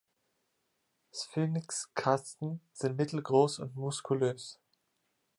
Sphynx-Katzen sind mittelgroß und muskulös.